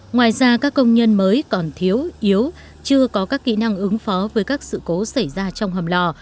ngoài ra các công nhân mới còn thiếu yếu chưa có các kỹ năng ứng phó với các sự cố xảy ra trong hầm lò